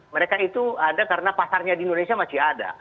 mereka itu ada karena pasarnya di indonesia masih ada